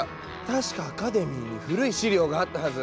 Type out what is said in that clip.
確かアカデミーに古い資料があったはず。